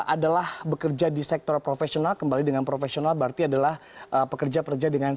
adalah bekerja di sektor profesional kembali dengan profesional berarti adalah pekerja pekerja dengan